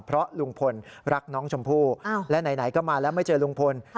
เพราะลุงพลรักน้องชมพู่และไหนก็มาแล้วไม่เจอลุงพล